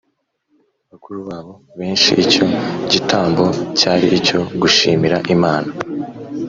bakuru babo benshi icyo gitambo cyari icyo gushimira imana